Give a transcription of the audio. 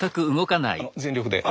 全力で。